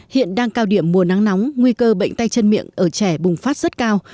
hiện đang cao điểm mùa nắng nóng nguy cơ bệnh tay chân miệng ở trẻ bùng phát rất cao